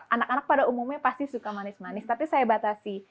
anak anak pada umumnya pasti suka manis manis tapi saya batasi